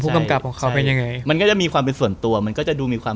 กำกับของเขาเป็นยังไงมันก็จะมีความเป็นส่วนตัวมันก็จะดูมีความ